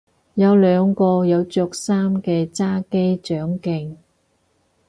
有兩個有着衫嘅揸機掌鏡